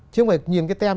chứ không phải nhìn cái tem